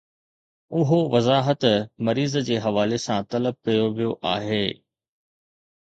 اهو وضاحت مريض جي حوالي سان طلب ڪيو ويو آهي